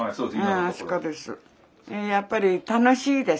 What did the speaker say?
そうです